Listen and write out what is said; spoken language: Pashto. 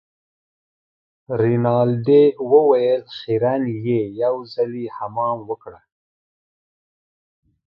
رینالډي وویل خیرن يې یو ځلي حمام وکړه.